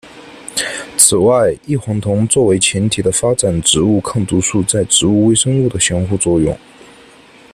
此外异黄酮作为前体的发展植物抗毒素在植物微生物的相互作用。